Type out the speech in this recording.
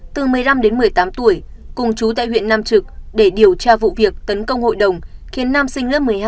từ một mươi năm đến một mươi tám tuổi cùng chú tại huyện nam trực để điều tra vụ việc tấn công hội đồng khiến nam sinh lớp một mươi hai